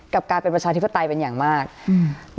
กับการเป็นประชาธิปไตยเป็นอย่างมากอืม